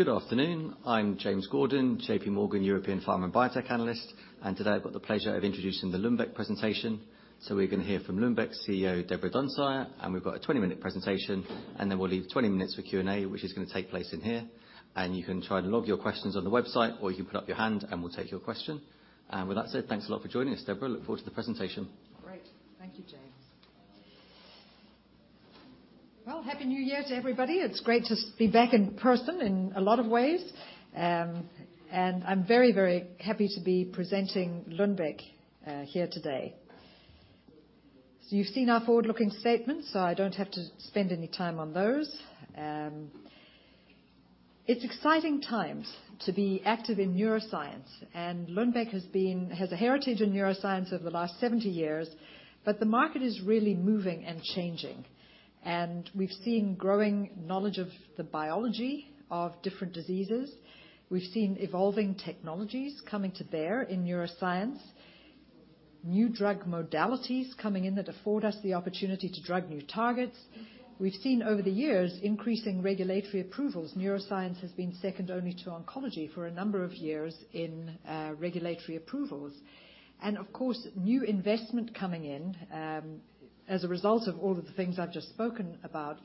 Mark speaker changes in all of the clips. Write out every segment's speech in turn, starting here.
Speaker 1: Good afternoon. I'm James Gordon, JPMorgan, European Pharma and Biotech Analyst, and today I've got the pleasure of introducing the Lundbeck presentation. So we're going to hear from Lundbeck's CEO, Deborah Dunsire, and we've got a 20 minute presentation, and then we'll leave twenty minutes for Q and A, which is going to take place in here. And you can try to log your questions on the website, or you can put up your hand and we'll take your question. And with that said, thanks a lot for joining us, Deborah. Look forward to the presentation.
Speaker 2: Great. Thank you, James. Happy New Year to everybody. It's great to be back in person in a lot of ways, and I'm very, very happy to be presenting Lundbeck here today. So you've seen our forward-looking statements, so I don't have to spend any time on those. It's exciting times to be active in neuroscience, and Lundbeck has a heritage in neuroscience over the last 70 years, but the market is really moving and changing, and we've seen growing knowledge of the biology of different diseases. We've seen evolving technologies coming to bear in neuroscience, new drug modalities coming in that afford us the opportunity to drug new targets. We've seen over the years, increasing regulatory approvals. Neuroscience has been second only to oncology for a number of years in regulatory approvals, and of course, new investment coming in as a result of all of the things I've just spoken about,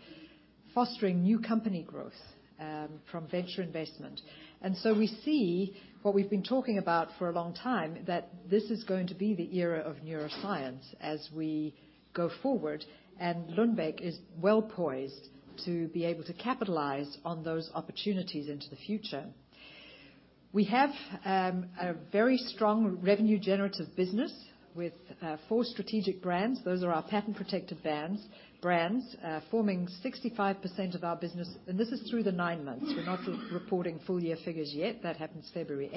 Speaker 2: fostering new company growth from venture investment. And so we see what we've been talking about for a long time, that this is going to be the era of neuroscience as we go forward, and Lundbeck is well poised to be able to capitalize on those opportunities into the future. We have a very strong revenue generative business with four strategic brands. Those are our patent-protected brands, forming 65% of our business, and this is through the 9-months. We're not reporting full year figures yet. That happens February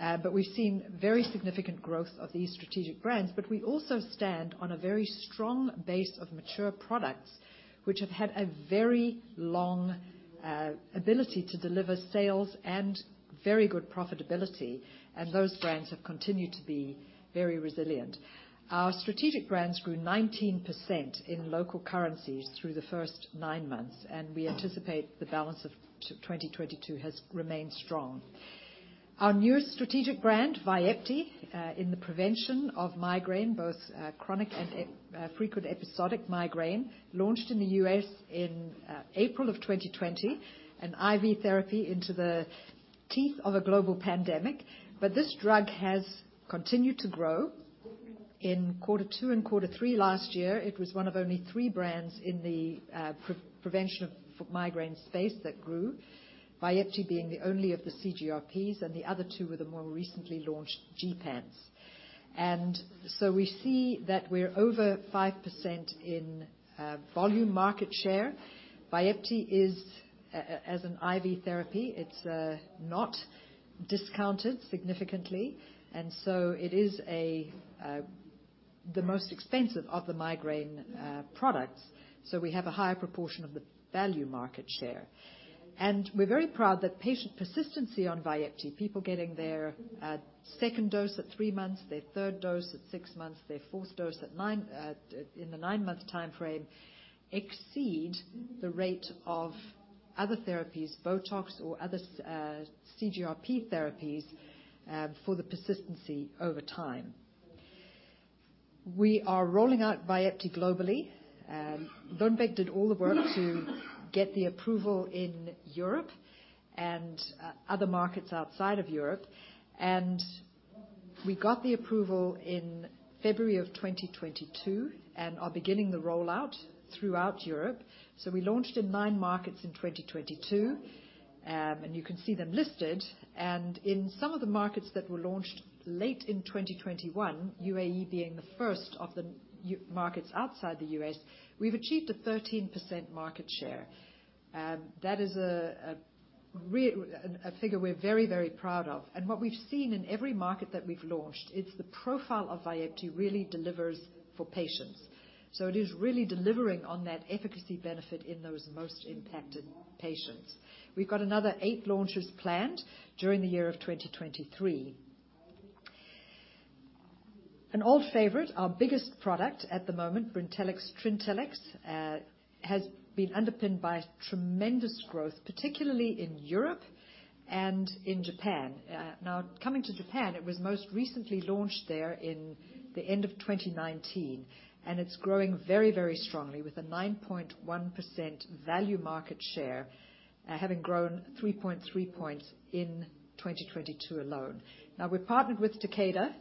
Speaker 2: 8th. But we've seen very significant growth of these strategic brands, but we also stand on a very strong base of mature products, which have had a very long ability to deliver sales and very good profitability, and those brands have continued to be very resilient. Our strategic brands grew 19% in local currencies through the first nine months, and we anticipate the balance of 2022 has remained strong. Our new strategic brand, Vyepti, in the prevention of migraine, both chronic and frequent episodic migraine, launched in the U.S. in April of 2020, an IV therapy into the teeth of a global pandemic. But this drug has continued to grow. In quarter two and quarter three last year, it was one of only three brands in the prevention of migraine space that grew, Vyepti being the only of the CGRPs, and the other two were the more recently launched gepants. And so we see that we're over 5% in volume market share. Vyepti is as an IV therapy, it's not discounted significantly, and so it is a the most expensive of the migraine products, so we have a higher proportion of the value market share. And we're very proud that patient persistency on Vyepti, people getting their second dose at three months, their third dose at six months, their fourth dose at 9 in the 9-month time frame, exceed the rate of other therapies, Botox or other CGRP therapies, for the persistency over time. We are rolling out Vyepti globally. Lundbeck did all the work to get the approval in Europe and other markets outside of Europe, and we got the approval in February of 2022, and are beginning the rollout throughout Europe, so we launched in nine markets in 2022, and you can see them listed, and in some of the markets that were launched late in 2021, UAE being the first of the UAE markets outside the U.S., we've achieved a 13% market share. That is a real figure we're very, very proud of, and what we've seen in every market that we've launched, it's the profile of Vyepti really delivers for patients, so it is really delivering on that efficacy benefit in those most impacted patients. We've got another eight launches planned during the year of 2023. An old favorite, our biggest product at the moment, Brintellix, Trintellix, has been underpinned by tremendous growth, particularly in Europe and in Japan. Now, coming to Japan, it was most recently launched there in the end of 2019, and it's growing very, very strongly, with a 9.1% value market share, having grown 3.3 points in 2022 alone. Now, we've partnered with Takeda,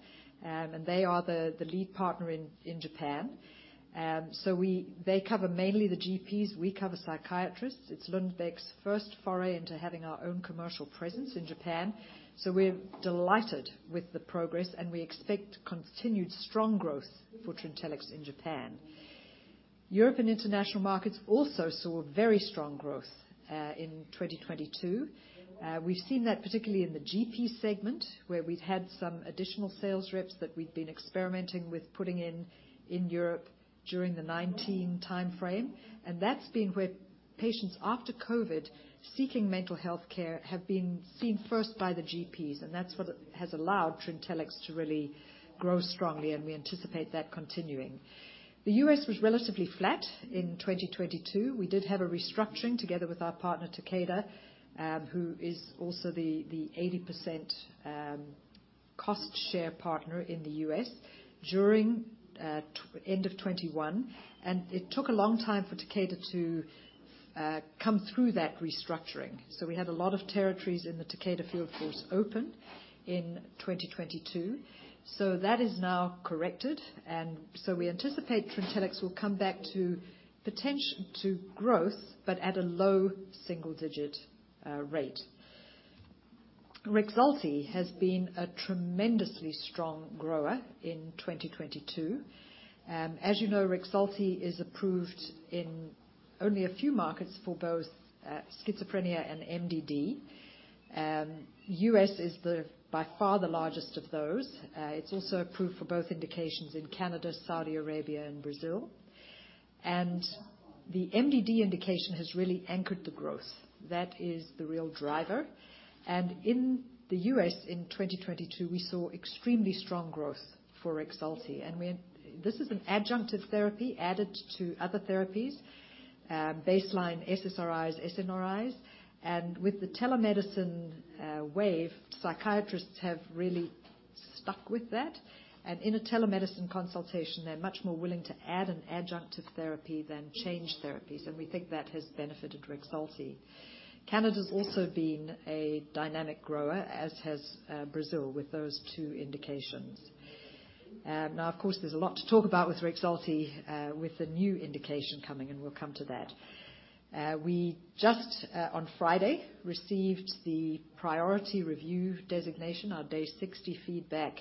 Speaker 2: and they are the lead partner in Japan. So they cover mainly the GPs, we cover psychiatrists. It's Lundbeck's first foray into having our own commercial presence in Japan, so we're delighted with the progress, and we expect continued strong growth for Trintellix in Japan. Europe and international markets also saw very strong growth in 2022. We've seen that particularly in the GP segment, where we've had some additional sales reps that we've been experimenting with putting in, in Europe during the 2019 timeframe, and that's been where patients after COVID, seeking mental health care, have been seen first by the GPs, and that's what has allowed Trintellix to really grow strongly, and we anticipate that continuing. The U.S. was relatively flat in 2022. We did have a restructuring together with our partner, Takeda, who is also the 80% cost share partner in the U.S. during end of 2021, and it took a long time for Takeda to come through that restructuring. So we had a lot of territories in the Takeda field force open in 2022. That is now corrected, and we anticipate Trintellix will come back to growth, but at a low single digit rate. Rexulti has been a tremendously strong grower in 2022. As you know, Rexulti is approved in only a few markets for both schizophrenia and MDD. The U.S. is by far the largest of those. It is also approved for both indications in Canada, Saudi Arabia, and Brazil. The MDD indication has really anchored the growth. That is the real driver, and in the U.S. in 2022, we saw extremely strong growth for Rexulti. This is an adjunctive therapy added to other therapies, baseline SSRIs, SNRIs, and with the telemedicine wave, psychiatrists have really stuck with that. In a telemedicine consultation, they're much more willing to add an adjunctive therapy than change therapies, and we think that has benefited Rexulti. Canada's also been a dynamic grower, as has Brazil, with those two indications. Now, of course, there's a lot to talk about with Rexulti with the new indication coming, and we'll come to that. We just on Friday received the priority review designation, our day 60 feedback,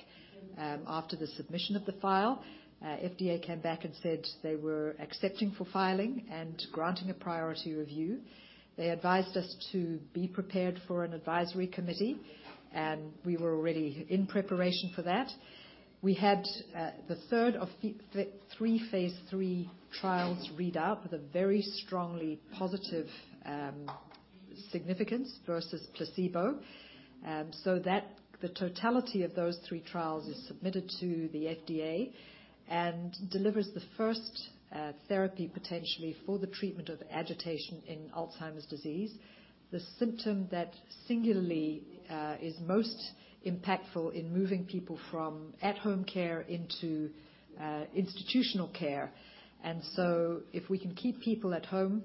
Speaker 2: after the submission of the file. FDA came back and said they were accepting for filing and granting a priority review. They advised us to be prepared for an advisory committee, and we were already in preparation for that. We had the third of the three Phase 3 trials read out with a very strongly positive significance versus placebo. So that the totality of those three trials is submitted to the FDA and delivers the first therapy, potentially, for the treatment of agitation in Alzheimer's disease, the symptom that singularly is most impactful in moving people from at-home care into institutional care, and so if we can keep people at home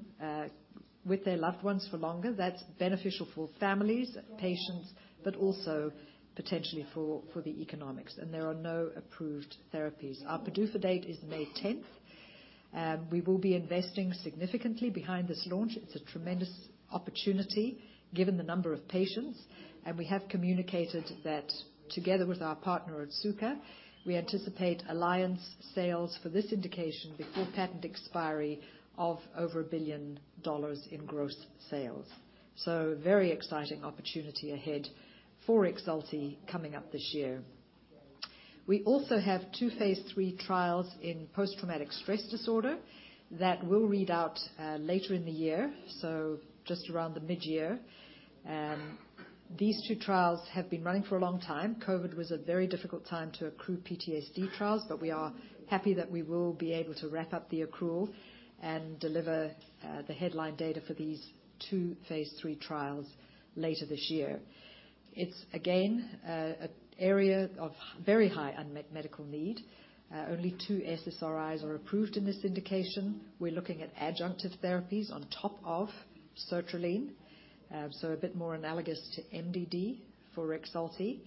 Speaker 2: with their loved ones for longer, that's beneficial for families, patients, but also potentially for the economics, and there are no approved therapies. Our PDUFA date is May 10th. We will be investing significantly behind this launch. It's a tremendous opportunity, given the number of patients, and we have communicated that together with our partner, Otsuka, we anticipate alliance sales for this indication before patent expiry of over $1 billion in gross sales, so very exciting opportunity ahead for Rexulti coming up this year. We also have two phase three trials in post-traumatic stress disorder that will read out later in the year, so just around the mid-year. These two trials have been running for a long time. COVID was a very difficult time to accrue PTSD trials, but we are happy that we will be able to wrap up the accrual and deliver the headline data for these two phase three trials later this year. It's again an area of very high unmet medical need. Only two SSRIs are approved in this indication. We're looking at adjunctive therapies on top of sertraline, so a bit more analogous to MDD for Rexulti,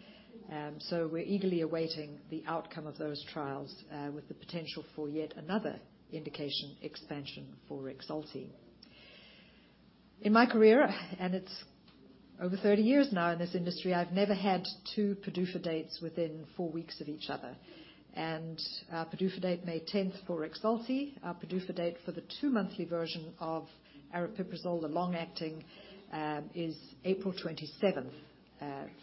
Speaker 2: so we're eagerly awaiting the outcome of those trials with the potential for yet another indication expansion for Rexulti. In my career, and it's over 30 years now in this industry, I've never had two PDUFA dates within four weeks of each other, and our PDUFA date, May 10th, for Rexulti, our PDUFA date for the 2-monthly version of aripiprazole, the long-acting, is April 27th,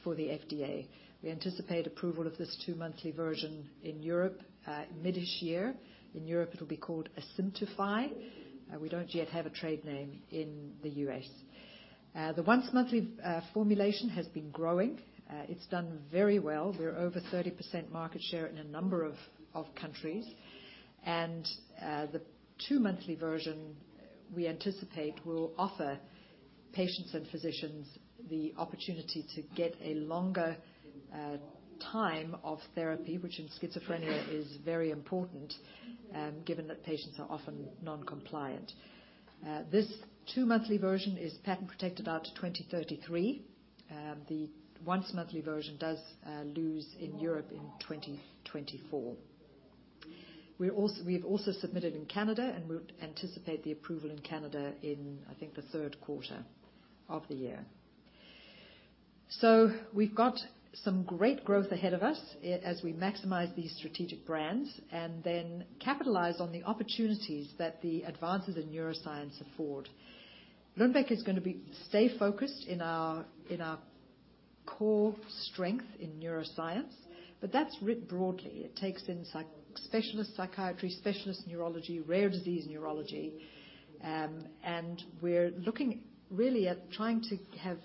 Speaker 2: for the FDA. We anticipate approval of this two-monthly version in Europe, mid this year. In Europe, it'll be called Asimtufii. We don't yet have a trade name in the U.S. The once-monthly formulation has been growing. It's done very well. We're over 30% market share in a number of countries, and the 2-monthly version, we anticipate, will offer patients and physicians the opportunity to get a longer time of therapy, which in schizophrenia is very important, given that patients are often non-compliant. This 2-monthly version is patent protected out to 2033. The once-monthly version does lose in Europe in 2024. We have also submitted in Canada, and we anticipate the approval in Canada in, I think, the third quarter of the year. So we've got some great growth ahead of us as we maximize these strategic brands and then capitalize on the opportunities that the advances in neuroscience afford. Lundbeck is gonna stay focused in our core strength in neuroscience, but that's read broadly. It takes in specialist psychiatry, specialist neurology, rare disease neurology, and we're looking really at trying to have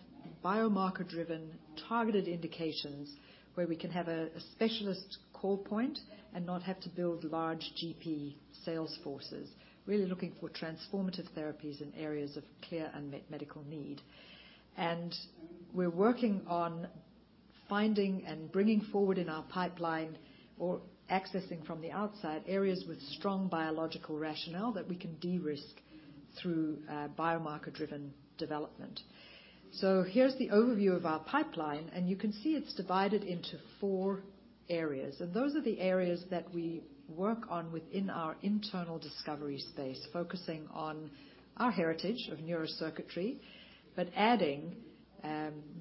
Speaker 2: biomarker-driven, targeted indications, where we can have a specialist call point and not have to build large GP sales forces. Really looking for transformative therapies in areas of clear unmet medical need. And we're working on finding and bringing forward in our pipeline or accessing from the outside, areas with strong biological rationale that we can de-risk through, biomarker-driven development. So here's the overview of our pipeline, and you can see it's divided into four areas, and those are the areas that we work on within our internal discovery space, focusing on our heritage of neurocircuitry, but adding,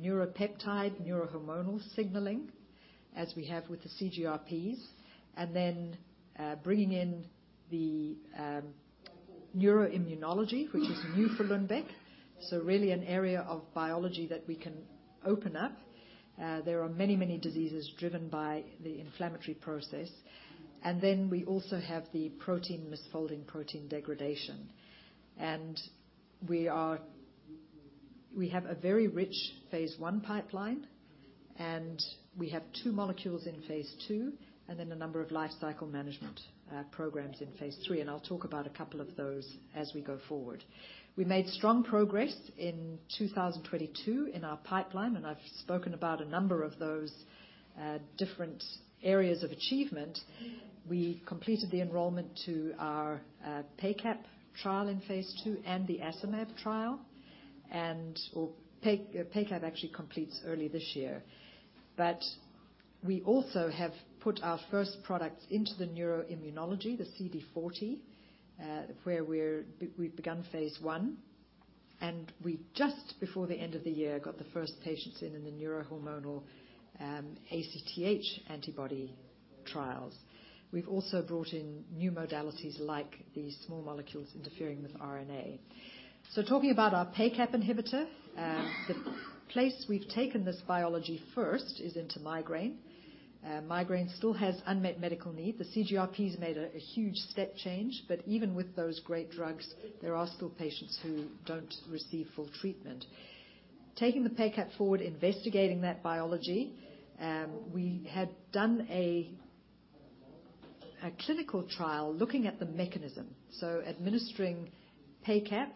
Speaker 2: neuropeptide, neurohormonal signaling, as we have with the CGRPs, and then, bringing in the, neuroimmunology, which is new for Lundbeck. So really an area of biology that we can open up. There are many, many diseases driven by the inflammatory process. And then we also have the protein misfolding, protein degradation. And we have a very rich Phase 1 pipeline, and we have two molecules in Phase 2, and then a number of lifecycle management programs in Phase 3, and I'll talk about a couple of those as we go forward. We made strong progress in 2022 in our pipeline, and I've spoken about a number of those different areas of achievement. We completed the enrollment to our PACAP trial in Phase 2 and the a-syn mAb trial, and the PACAP actually completes early this year. But we also have put our first products into the neuroimmunology, the CD40, where we've begun Phase 1, and we just, before the end of the year, got the first patients in the neurohormonal ACTH antibody trials. We've also brought in new modalities like the small molecules interfering with RNA. So talking about our PACAP inhibitor, the place we've taken this biology first is into migraine. Migraine still has unmet medical need. The CGRPs made a huge step change, but even with those great drugs, there are still patients who don't receive full treatment. Taking the PACAP forward, investigating that biology, we had done a clinical trial looking at the mechanism. So administering PACAP,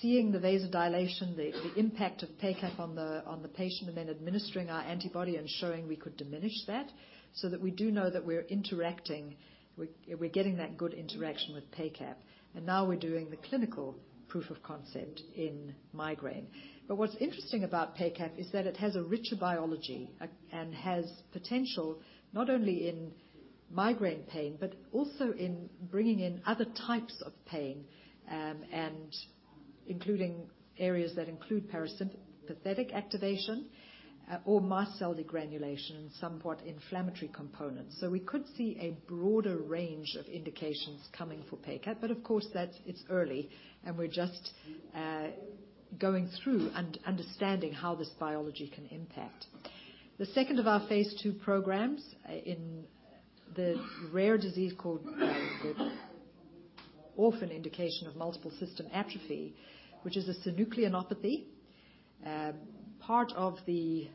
Speaker 2: seeing the vasodilation, the impact of PACAP on the patient, and then administering our antibody and showing we could diminish that, so that we do know that we're interacting. We're getting that good interaction with PACAP, and now we're doing the clinical proof of concept in migraine. But what's interesting about PACAP is that it has a richer biology, and has potential not only in migraine pain, but also in bringing in other types of pain, and including areas that include parasympathetic activation, or mast cell degranulation, and somewhat inflammatory components. So we could see a broader range of indications coming for PACAP, but of course, that's- it's early, and we're just going through and understanding how this biology can impact. The second of our Phase 2 programs in the rare disease called Orphan Indication of Multiple System Atrophy, which is a synucleinopathy, part of the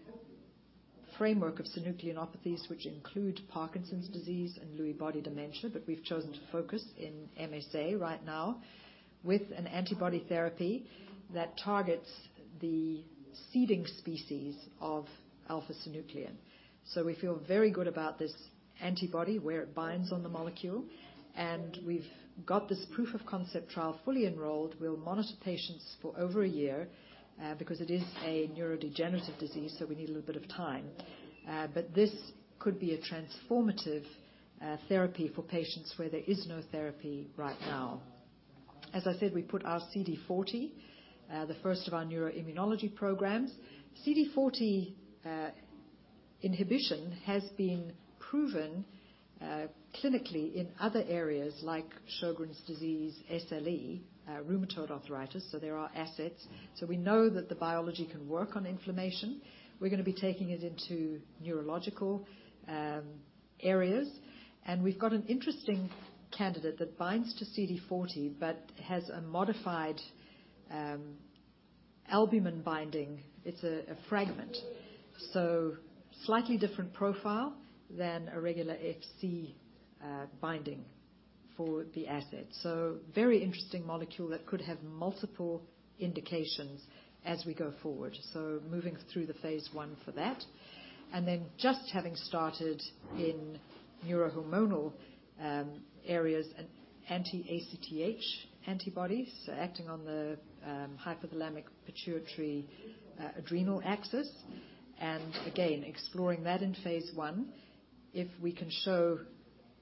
Speaker 2: framework of synucleinopathies, which include Parkinson's disease and Lewy body dementia, but we've chosen to focus in MSA right now with an antibody therapy that targets the seeding species of alpha-synuclein. So we feel very good about this antibody, where it binds on the molecule, and we've got this proof of concept trial fully enrolled. We'll monitor patients for over a year, because it is a neurodegenerative disease, so we need a little bit of time. But this could be a transformative therapy for patients where there is no therapy right now. As I said, we put our CD40, the first of our neuroimmunology programs. CD40 inhibition has been proven clinically in other areas like Sjögren's disease, SLE, rheumatoid arthritis, so there are assets. So we know that the biology can work on inflammation. We're gonna be taking it into neurological areas, and we've got an interesting candidate that binds to CD40 but has a modified albumin binding. It's a fragment, so slightly different profile than a regular FC binding for the asset. So very interesting molecule that could have multiple indications as we go forward. So moving through the Phase 1 for that. And then just having started in neurohormonal areas, an anti-ACTH antibodies acting on the hypothalamic pituitary adrenal axis, and again, exploring that in Phase 1. If we can show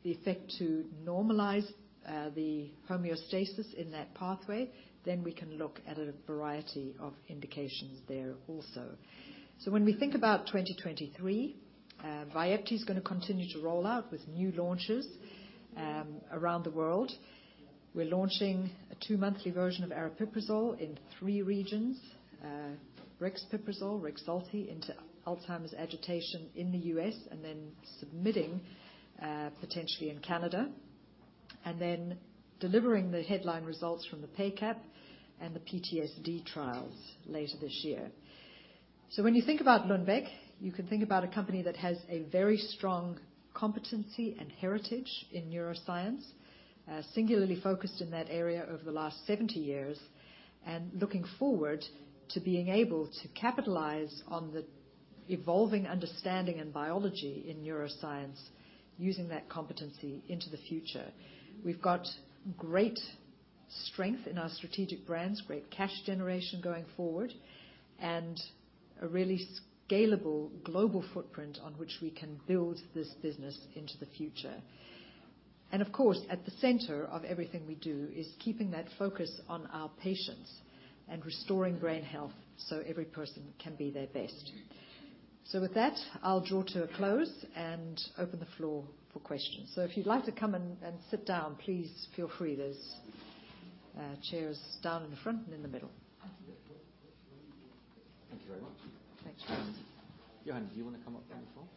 Speaker 2: the effect to normalize the homeostasis in that pathway, then we can look at a variety of indications there also. So when we think about 2023, Vyepti is gonna continue to roll out with new launches around the world. We're launching a 2-monthly version of aripiprazole in three regions, brexpiprazole, Rexulti, into Alzheimer's agitation in the U.S., and then submitting, potentially in Canada, and then delivering the headline results from the PACAP and the PTSD trials later this year. So when you think about Lundbeck, you can think about a company that has a very strong competency and heritage in neuroscience, singularly focused in that area over the last 70 years, and looking forward to being able to capitalize on the evolving understanding and biology in neuroscience using that competency into the future. We've got great strength in our strategic brands, great cash generation going forward, and a really scalable global footprint on which we can build this business into the future. Of course, at the center of everything we do, is keeping that focus on our patients and restoring brain health so every person can be their best. With that, I'll draw to a close and open the floor for questions. If you'd like to come and sit down, please feel free. There's chairs down in the front and in the middle.
Speaker 1: Thank you very much.
Speaker 2: Thank you.
Speaker 1: Johan, do you want to come up to the front?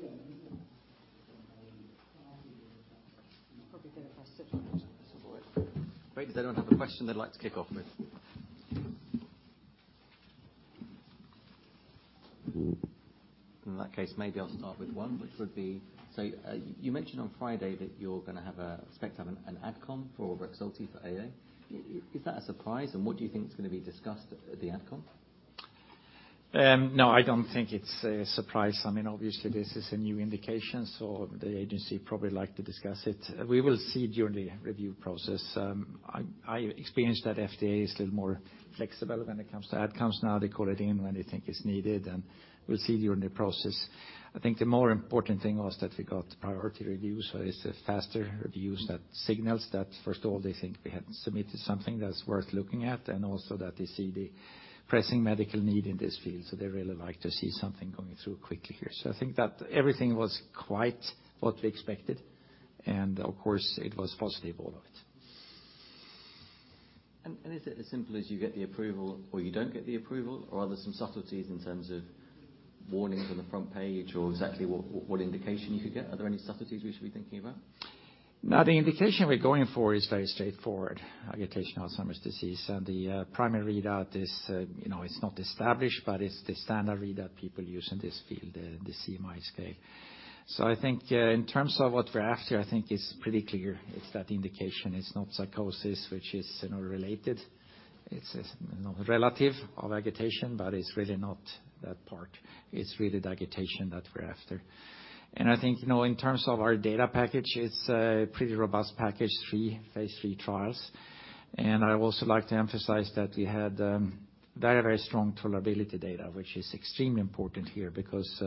Speaker 3: Yeah. Probably better if I sit.
Speaker 1: Great. Does anyone have a question they'd like to kick off with? In that case, maybe I'll start with one, which would be: so, you mentioned on Friday that you're gonna expect to have an ad com for Rexulti for AA. Is that a surprise, and what do you think is gonna be discussed at the ad com?
Speaker 3: No, I don't think it's a surprise. I mean, obviously, this is a new indication, so the agency probably like to discuss it. We will see during the review process. I experienced that FDA is little more flexible when it comes to ad coms. Now, they call it in when they think it's needed, and we'll see during the process. I think the more important thing was that we got priority reviews, so it's a faster reviews that signals that, first of all, they think we have submitted something that's worth looking at, and also that they see the pressing medical need in this field, so they really like to see something going through quickly here. So I think that everything was quite what we expected, and of course, it was positive, all of it.
Speaker 1: And is it as simple as you get the approval or you don't get the approval, or are there some subtleties in terms of warnings on the front page, or exactly what indication you could get? Are there any subtleties we should be thinking about?
Speaker 3: No, the indication we're going for is very straightforward, agitation, Alzheimer's disease, and the primary readout is, you know, it's not established, but it's the standard readout people use in this field, the CMAI scale, so I think in terms of what we're after, I think it's pretty clear it's that indication. It's not psychosis, which is, you know, related. It's, you know, relative of agitation, but it's really not that part. It's really the agitation that we're after, and I think, you know, in terms of our data package, it's a pretty robust package, three Phase 3 trials, and I also like to emphasize that we had very, very strong tolerability data, which is extremely important here because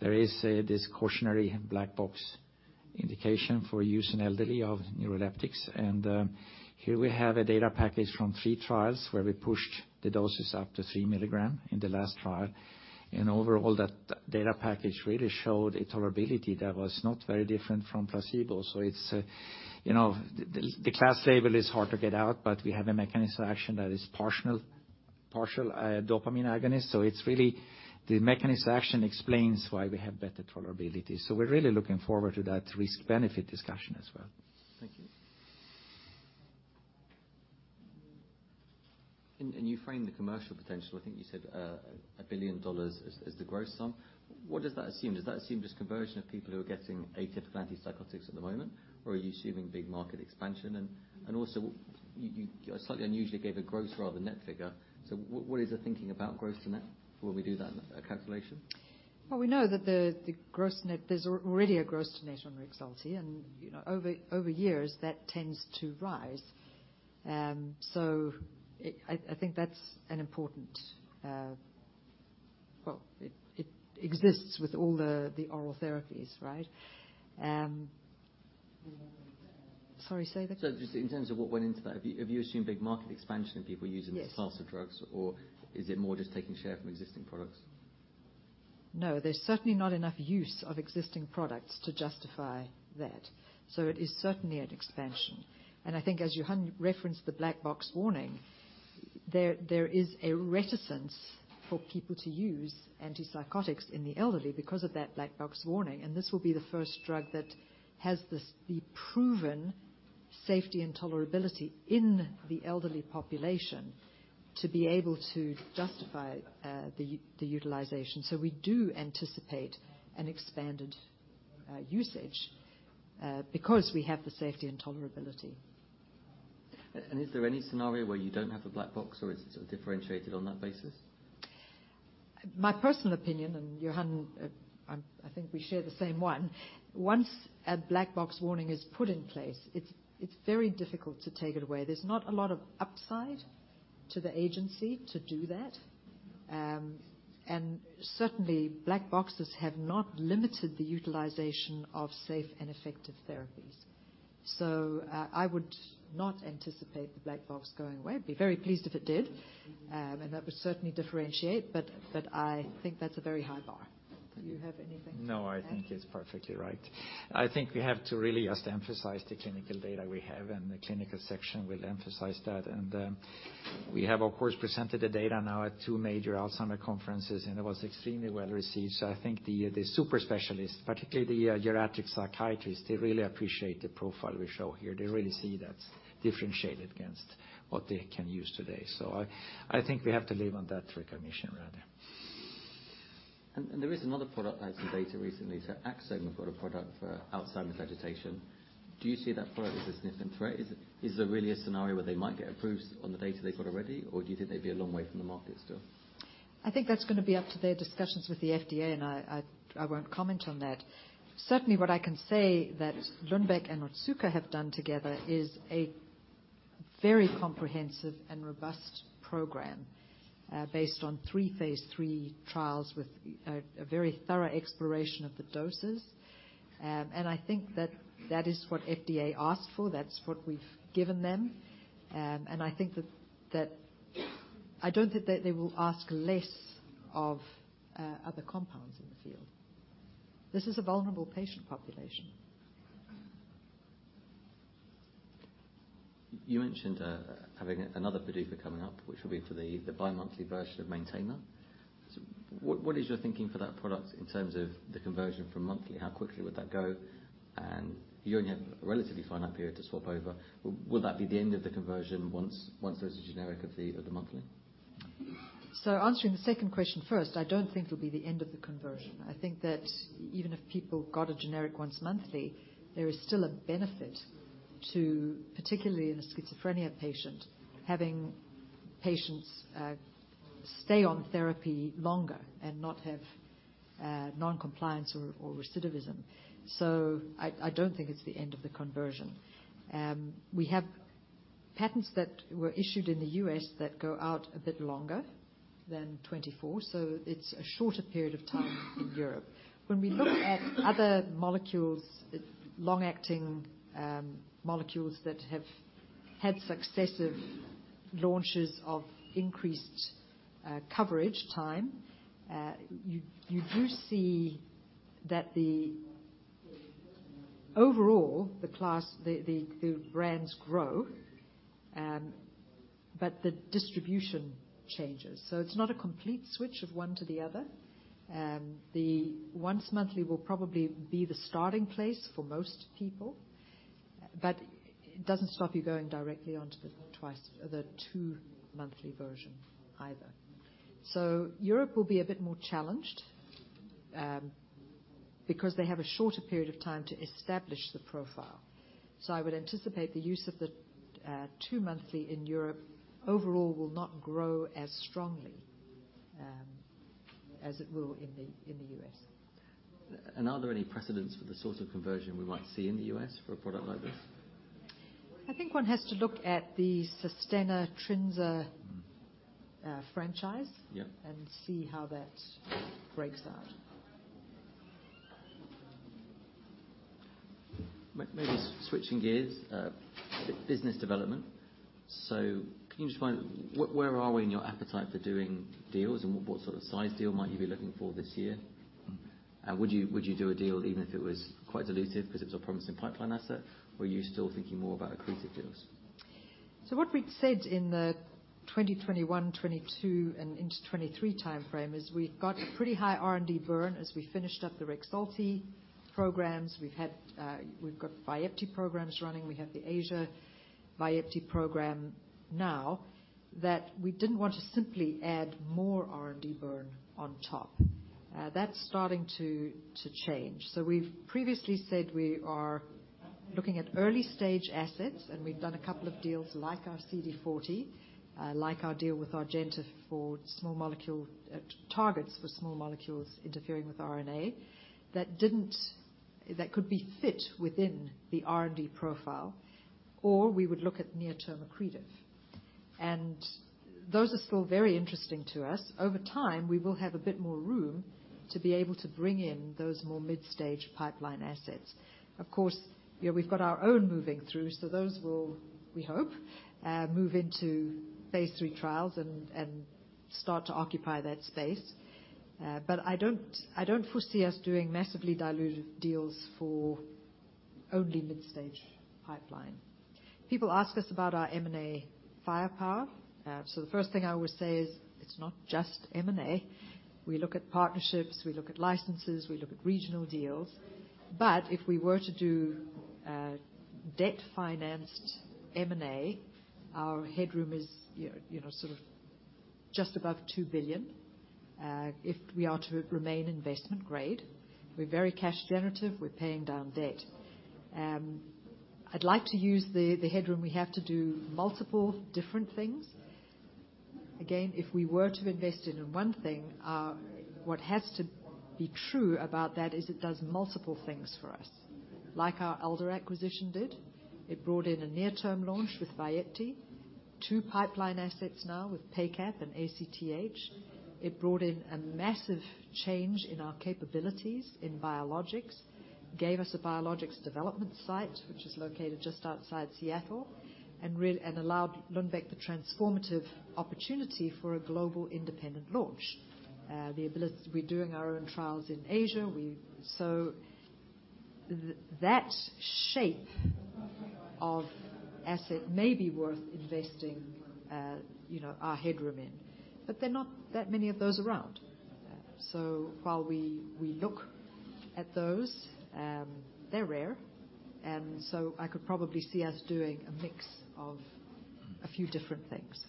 Speaker 3: there is this cautionary black box indication for use in elderly of neuroleptics. Here we have a data package from three trials where we pushed the doses up to three milligram in the last trial, and overall, that data package really showed a tolerability that was not very different from placebo. So it's you know the class label is hard to get out, but we have a mechanism of action that is partial dopamine agonist. So it's really the mechanism of action explains why we have better tolerability. So we're really looking forward to that risk-benefit discussion as well. Thank you.
Speaker 1: And you framed the commercial potential. I think you said $1 billion is the gross sum. What does that assume? Does that assume just conversion of people who are getting atypical antipsychotics at the moment, or are you assuming big market expansion? And also, you slightly unusually gave a gross rather than net figure, so what is the thinking about gross to net when we do that calculation?
Speaker 2: Well, we know that the gross net. There's already a gross to net on Rexulti, and, you know, over years, that tends to rise. So I think that's an important. Well, it exists with all the oral therapies, right? Sorry, say that again.
Speaker 1: So just in terms of what went into that, have you assumed big market expansion of people using—
Speaker 2: Yes.
Speaker 1: The SSRI drugs, or is it more just taking share from existing products?
Speaker 2: No, there's certainly not enough use of existing products to justify that, so it is certainly an expansion. And I think as Johan referenced the black box warning, there is a reticence for people to use antipsychotics in the elderly because of that black box warning, and this will be the first drug that has this, the proven safety and tolerability in the elderly population, to be able to justify the utilization. So we do anticipate an expanded usage because we have the safety and tolerability.
Speaker 1: Is there any scenario where you don't have a black box, or is it sort of differentiated on that basis?
Speaker 2: My personal opinion, and Johan, I think we share the same one. Once a black box warning is put in place, it's very difficult to take it away. There's not a lot of upside to the agency to do that. And certainly, black boxes have not limited the utilization of safe and effective therapies. So, I would not anticipate the black box going away. Be very pleased if it did, and that would certainly differentiate, but I think that's a very high bar. Do you have anything to add?
Speaker 3: No, I think it's perfectly right. I think we have to really just emphasize the clinical data we have, and the clinical section will emphasize that, and we have, of course, presented the data now at two major Alzheimer's conferences, and it was extremely well-received, so I think the super specialists, particularly the geriatric psychiatrists, they really appreciate the profile we show here. They really see that's differentiated against what they can use today, so I think we have to live on that recognition right now.
Speaker 1: And there is another product that had some data recently, so Axsome have got a product for Alzheimer's agitation. Do you see that product as a significant threat? Is there really a scenario where they might get approved on the data they've got already, or do you think they'd be a long way from the market still?
Speaker 2: I think that's gonna be up to their discussions with the FDA, and I won't comment on that. Certainly, what I can say that Lundbeck and Otsuka have done together is a very comprehensive and robust program, based on Three Phase 3 trials with a very thorough exploration of the doses. I think I don't think that they will ask less of other compounds in the field. This is a vulnerable patient population.
Speaker 1: You mentioned having another PDUFA coming up, which will be for the bimonthly version of Maintena. So what is your thinking for that product in terms of the conversion from monthly? How quickly would that go? And you only have a relatively finite period to swap over. Would that be the end of the conversion once there's a generic of the monthly?
Speaker 2: So answering the second question first, I don't think it'll be the end of the conversion. I think that even if people got a generic once monthly, there is still a benefit to, particularly in a schizophrenia patient, having patients stay on therapy longer and not have non-compliance or recidivism. So I don't think it's the end of the conversion. We have patents that were issued in the U.S. that go out a bit longer than 24, so it's a shorter period of time in Europe. When we look at other molecules, long-acting molecules that have had successive launches of increased coverage time, you do see that the overall, the class, the brands grow, but the distribution changes, so it's not a complete switch of one to the other. The once monthly will probably be the starting place for most people, but it doesn't stop you going directly onto the twice- or the 2 monthly version either. So Europe will be a bit more challenged, because they have a shorter period of time to establish the profile. So I would anticipate the use of the 2-monthly in Europe overall will not grow as strongly, as it will in the U.S.
Speaker 1: Are there any precedents for the sort of conversion we might see in the U.S. for a product like this?
Speaker 2: I think one has to look at the Sustenna-Trinza franchise—
Speaker 1: Yeah.
Speaker 2: and see how that breaks out.
Speaker 1: Maybe switching gears, business development. So can you just remind, where are we in your appetite for doing deals, and what sort of size deal might you be looking for this year? Would you do a deal even if it was quite dilutive because it's a promising pipeline asset, or are you still thinking more about accretive deals?
Speaker 2: So what we'd said in the 2021, 2022 and into 2023 time frame is we've got pretty high R&D burn as we finished up the Rexulti programs. We've had we've got Vyepti programs running. We have the Asia Vyepti program now that we didn't want to simply add more R&D burn on top. That's starting to change. We've previously said we are looking at early stage assets, and we've done a couple of deals like our CD40, like our deal with Rgenta for small molecule targets for small molecules interfering with RNA that could be fit within the R&D profile, or we would look at near-term accretive. Those are still very interesting to us. Over time, we will have a bit more room to be able to bring in those more mid-stage pipeline assets. Of course, you know, we've got our own moving through, so those will, we hope, move into Phase 3 trials and start to occupy that space. But I don't foresee us doing massively dilutive deals for only mid-stage pipeline. People ask us about our M&A firepower. So the first thing I always say is, it's not just M&A. We look at partnerships, we look at licenses, we look at regional deals. But if we were to do debt-financed M&A, our headroom is, yeah, you know, sort of just above $2 billion. If we are to remain investment grade, we're very cash generative, we're paying down debt. I'd like to use the headroom we have to do multiple different things. Again, if we were to invest in one thing, what has to be true about that is it does multiple things for us, like our Alder acquisition did. It brought in a near-term launch with Vyepti, two pipeline assets now with PACAP and ACTH. It brought in a massive change in our capabilities in biologics, gave us a biologics development site, which is located just outside Seattle, and really allowed Lundbeck the transformative opportunity for a global independent launch. We're doing our own trials in Asia. So that shape of asset may be worth investing, you know, our headroom in, but there are not that many of those around. So while we look at those, they're rare, and so I could probably see us doing a mix of a few different things.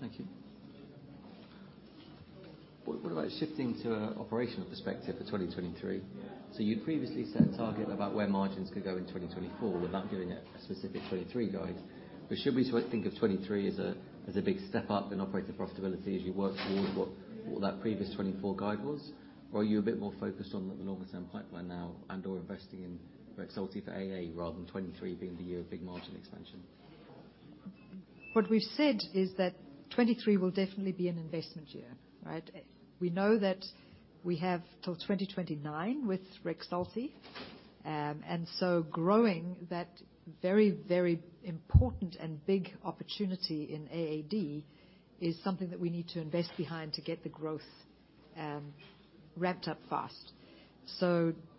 Speaker 1: Thank you. What about shifting to an operational perspective for 2023? So you previously set a target about where margins could go in 2024 without giving a specific 2023 guide. But should we sort of think of 2023 as a big step up in operating profitability as you work towards what that previous 2024 guide was? Or are you a bit more focused on the longer-term pipeline now and/or investing in Rexulti for AAD, rather than 2023 being the year of big margin expansion?
Speaker 2: What we've said is that 2023 will definitely be an investment year, right? We know that we have till 2029 with Rexulti. And so growing that very, very important and big opportunity in AAD is something that we need to invest behind to get the growth ramped up fast.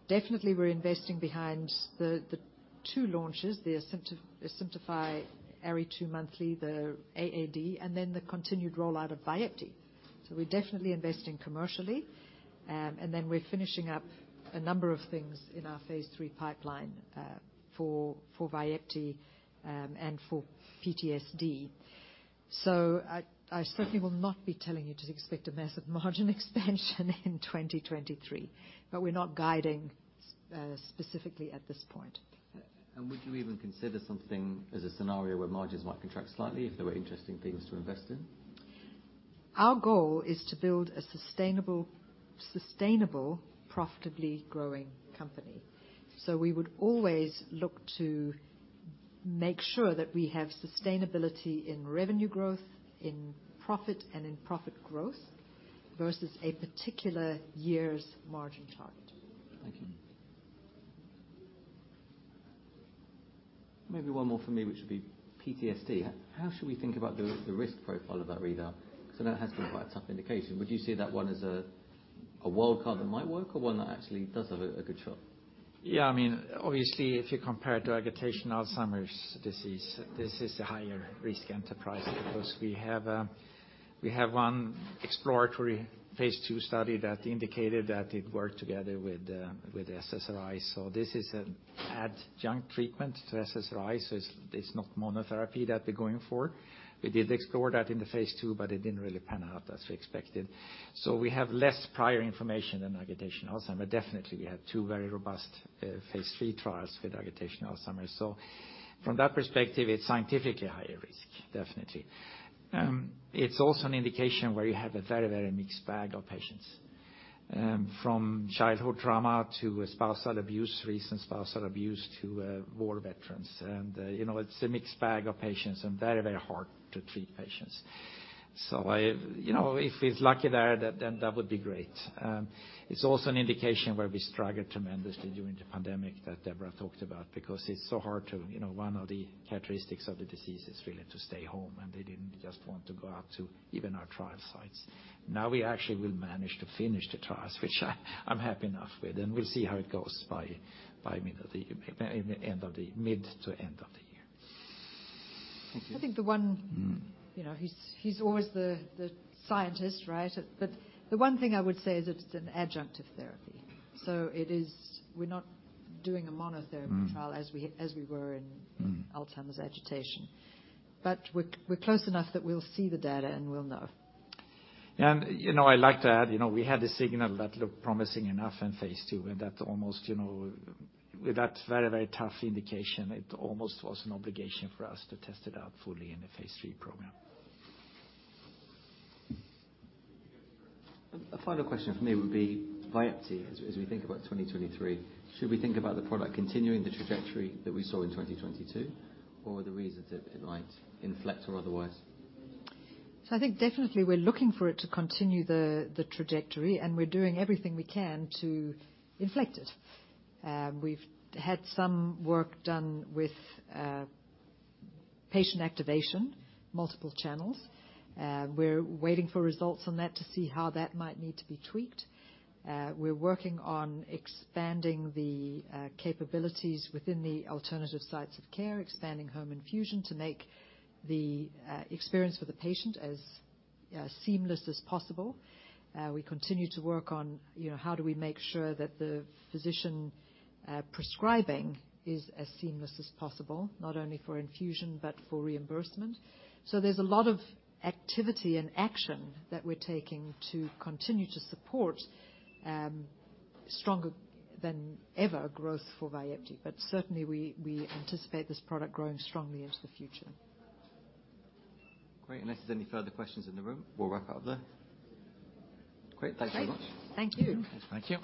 Speaker 2: Definitely we're investing behind the two launches, the Asimtufii, Ari 2-monthly, the AAD, and then the continued rollout of Vyepti. We're definitely investing commercially, and then we're finishing up a number of things in our Phase 3 pipeline, for Vyepti, and for PTSD. I certainly will not be telling you to expect a massive margin expansion in 2023, but we're not guiding specifically at this point.
Speaker 1: Would you even consider something as a scenario where margins might contract slightly if there were interesting things to invest in?
Speaker 2: Our goal is to build a sustainable, profitably growing company. So we would always look to make sure that we have sustainability in revenue growth, in profit, and in profit growth versus a particular year's margin target.
Speaker 1: Thank you. Maybe one more from me, which would be PTSD. How should we think about the risk profile of that readout? Because I know it has been quite a tough indication. Would you say that one is a wild card that might work, or one that actually does have a good shot?
Speaker 3: Yeah, I mean, obviously, if you compare it to agitation Alzheimer's disease, this is a higher risk enterprise because we have one exploratory Phase 2 study that indicated that it worked together with SSRI, so this is an adjunct treatment to SSRI, so it's not monotherapy that we're going for. We did explore that in the phase two, but it didn't really pan out as we expected, so we have less prior information than agitation Alzheimer's. Definitely, we have two very robust Phase 3 trials with agitation Alzheimer's, so from that perspective, it's scientifically higher risk, definitely. It's also an indication where you have a very, very mixed bag of patients, from childhood trauma to spousal abuse, recent spousal abuse to war veterans, and you know, it's a mixed bag of patients and very, very hard to treat patients. You know, if it's lucky there, then that would be great. It's also an indication where we struggled tremendously during the pandemic that Deborah talked about, because it's so hard to, you know, one of the characteristics of the disease is really to stay home, and they didn't just want to go out to even our trial sites. Now, we actually will manage to finish the trials, which I'm happy enough with, and we'll see how it goes by middle of the year, end of the year. Mid to end of the year.
Speaker 1: Thank you.
Speaker 2: I think the one— you know, he's always the scientist, right? But the one thing I would say is that it's an adjunctive therapy, so it is, we're not doing a monotherapy.
Speaker 1: Mm.
Speaker 2: Trial as we were in—
Speaker 1: Mm
Speaker 2: Alzheimer's agitation, but we're close enough that we'll see the data and we'll know.
Speaker 3: You know, I'd like to add, you know, we had a signal that looked promising enough in phase two, and that almost, you know, with that very, very tough indication, it almost was an obligation for us to test it out fully in the phase three program.
Speaker 1: A final question from me would be Vyepti. As we think about 2023, should we think about the product continuing the trajectory that we saw in 2022, or are there reasons it might inflect or otherwise?
Speaker 2: So I think definitely we're looking for it to continue the trajectory, and we're doing everything we can to inflect it. We've had some work done with patient activation, multiple channels. We're waiting for results on that to see how that might need to be tweaked. We're working on expanding the capabilities within the alternative sites of care, expanding home infusion to make the experience for the patient as seamless as possible. We continue to work on, you know, how do we make sure that the physician prescribing is as seamless as possible, not only for infusion but for reimbursement. So there's a lot of activity and action that we're taking to continue to support stronger than ever growth for Vyepti. But certainly, we anticipate this product growing strongly into the future.
Speaker 1: Great. Unless there's any further questions in the room, we'll wrap up there. Great. Thank you so much.
Speaker 2: Great. Thank you.
Speaker 3: Thank you.